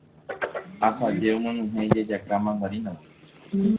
asaje omyenyhẽ ijajaka mandarínagui